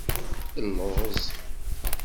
Illuẓ.